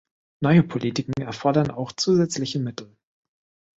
Neue Politiken erfordern auch zusätzliche Mittel.